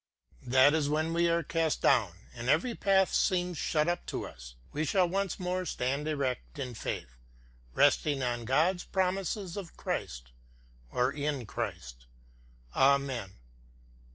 That is when we are cast down, and every path seems shut up to us, we shall once more stand erect in faith, resting on God's promises of Christ, or in Christ. Amen.